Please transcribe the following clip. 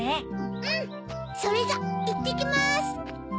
うんそれじゃいってきます！